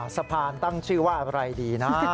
สะพานตั้งชื่อว่าอะไรดีนะ